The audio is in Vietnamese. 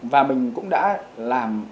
và mình cũng đã làm